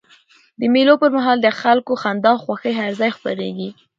د مېلو پر مهال د خلکو خندا او خوښۍ هر ځای خپریږي.